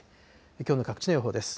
きょうの各地の予報です。